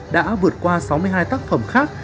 đã vượt qua sáu mươi hai tác phẩm khác